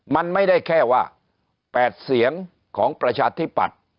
มันไม่ได้แค่ว่า๘เสียงของประชาธิปัตย์